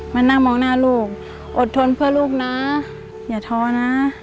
มานั่งมองหน้าลูกอดทนเพื่อลูกนะอย่าท้อนะ